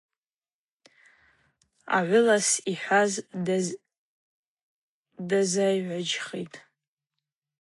Агӏвылас йхӏваз дазайгӏваджьхитӏ.